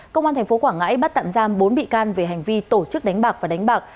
công an tp quảng ngãi bắt tạm giam bốn bị can về hành vi tổ chức đánh bạc và đánh bạc